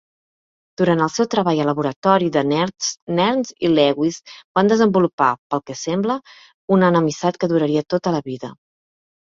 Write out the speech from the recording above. Durant el seu treball al laboratori de Nernst, Nernst i Lewis van desenvolupar, pel que sembla, una enemistat que duraria tota la vida.